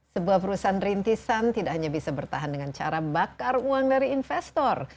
sebuah perusahaan rintisan tidak hanya bisa bertahan dengan cara bakar uang dari investor